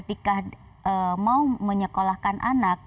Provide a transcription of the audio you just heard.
ketika mau menyekolahkan anak